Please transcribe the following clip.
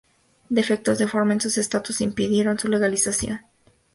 Defectos de forma en sus estatutos impidieron su legalización y esta iniciativa fue abandonada.